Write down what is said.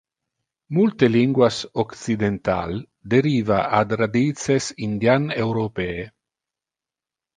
Multe linguas occidental deriva ad radices indian-europee